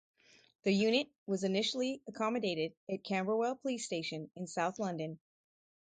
The unit was initially accommodated at Camberwell police station in south London.